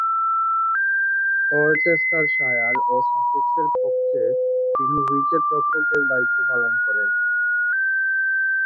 Worcestershire ও সাসেক্সের পক্ষে তিনি উইকেট-রক্ষকের দায়িত্ব পালন করেন।